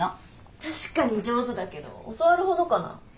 確かに上手だけど教わるほどかな？